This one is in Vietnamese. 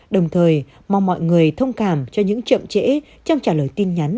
đồng thời mong mọi người thông cảm cho những chậm trễ trong trả lời tin nhắn